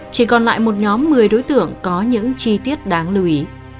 chỉ còn lại một nhóm một mươi đối tượng có những chi tiết đáng lưu ý